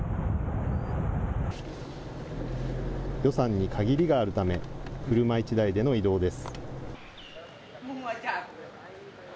予算に限りがあるため、車１台での移動です。